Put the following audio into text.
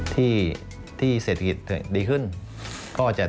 กระแสรักสุขภาพและการก้าวขัด